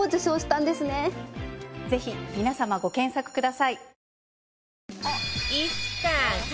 ぜひ皆様ご検索ください。